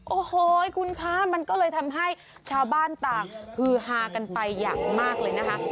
โอ้โหคุณคะมันก็เลยทำให้ชาวบ้านต่างฮือฮากันไปอย่างมากเลยนะคะ